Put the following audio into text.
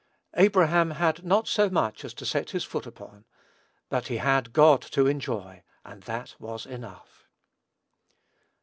Abraham had "not so much as to set his foot upon;" but he had God to enjoy, and that was enough.